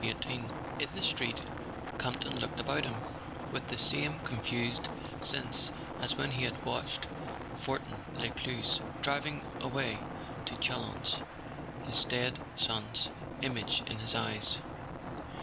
XVIII I N the street Campton looked about him with the same confused sense as when he had watched For tin Lescluze driving away to Chalons, his dead son's image in his eyes.